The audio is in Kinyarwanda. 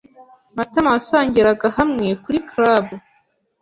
Matamawasangiraga hamwe kuri club.